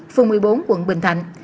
phường một mươi bốn quận bình thạnh